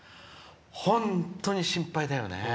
本当に心配だよね。